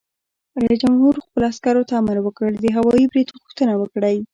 رئیس جمهور خپلو عسکرو ته امر وکړ؛ د هوايي برید غوښتنه وکړئ!